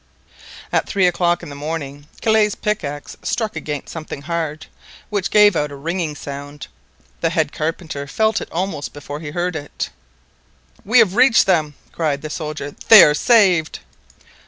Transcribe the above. At three o'clock in the morning Kellet's pickaxe struck against something hard, which gave out a ringing sound. The head carpenter felt it almost before he heard it. "We have reached them!" cried the soldier, "they are saved."